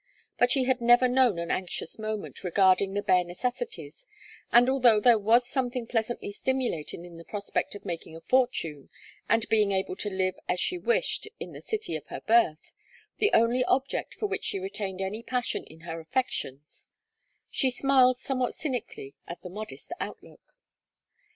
But she had never known an anxious moment regarding the bare necessities, and although there was something pleasantly stimulating in the prospect of making a fortune and being able to live as she wished in the city of her birth the only object for which she retained any passion in her affections she smiled somewhat cynically at the modest outlook.